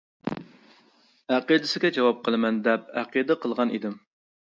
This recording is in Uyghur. ئەقىدىسىگە جاۋاب قىلىمەن، دەپ ئەقىدە قىلغان ئىدىم.